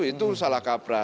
itu salah kapra